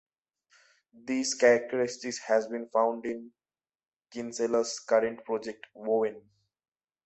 These characteristics have been found in Kinsella's current project, Owen.